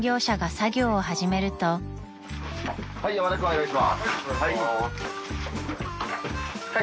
・はいヤマダ君お願いします。